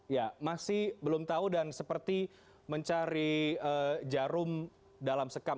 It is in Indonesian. ya masih belum tahu dan seperti mencari jarum dalam sekam